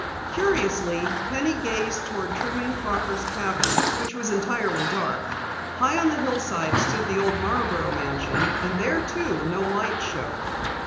Curiously, Penny gazed toward Truman Crocker's cabin which was entirely dark. High on the hillside stood the old Marborough mansion and there, too, no lights showed.